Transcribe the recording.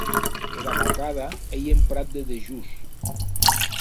Era vacada ei en prat de dejós.